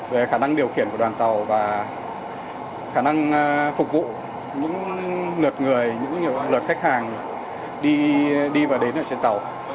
về khả năng điều khiển của đoàn tàu và khả năng phục vụ những lượt người những lượt khách hàng đi và đến ở trên tàu